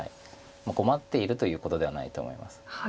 困ってるということではないと思います。